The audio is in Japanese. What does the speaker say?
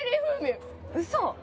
うそ？